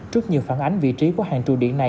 trước nhiều phản ánh vị trí của hàng trụ điện này